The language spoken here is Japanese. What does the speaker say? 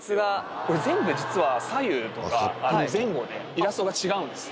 これ全部、実は左右とか前後でイラストが違うんですよ。